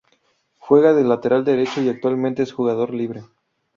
Juega de lateral derecho y actualmente es jugador libre.